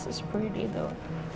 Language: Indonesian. ini cantik tuh